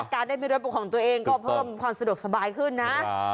การได้มีรถเป็นของตัวเองก็เพิ่มความสะดวกสบายขึ้นนะ